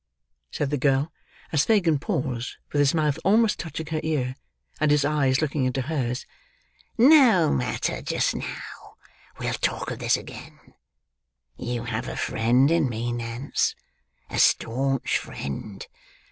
said the girl, as Fagin paused, with his mouth almost touching her ear, and his eyes looking into hers. "No matter just now. We'll talk of this again. You have a friend in me, Nance; a staunch friend.